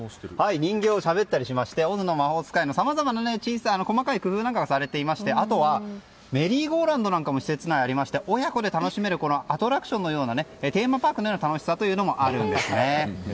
人形がしゃべったりしまして「オズの魔法使い」のさまざまな小さい細かい工夫なんかがされていてメリーゴーランドもありまして施設内にありまして親子で楽しめるアトラクションのあるテーマパークのような楽しさもあるんですね。